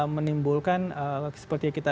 menimbulkan seperti yang kita